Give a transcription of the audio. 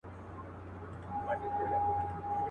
ټولو وویل چي ته الوتای نه سې.